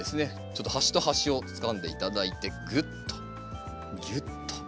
ちょっと端と端をつかんで頂いてぐっとぎゅっと。